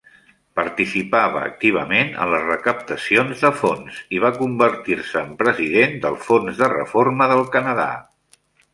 Participava activament en les recaptacions de fons i va convertir-se en president del Fons de Reforma del Canadà.